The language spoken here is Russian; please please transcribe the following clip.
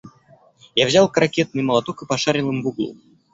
Я взял крокетный молоток и пошарил им в углу.